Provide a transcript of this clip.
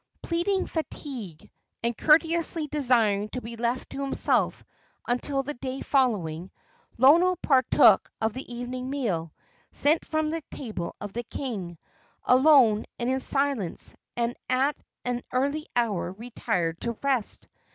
Pleading fatigue, and courteously desiring to be left to himself until the day following, Lono partook of his evening meal, sent from the table of the king, alone and in silence, and at an early hour retired to rest.